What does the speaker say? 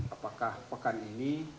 apakah pekan ini